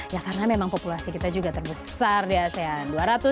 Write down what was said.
ya karena memang populasi kita juga terbesar di asean